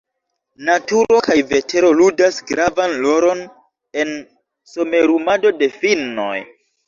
Naturo kaj vetero ludas gravan rolon en somerumado de finnoj.